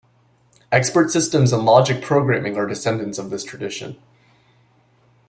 Expert systems and logic programming are descendants of this tradition.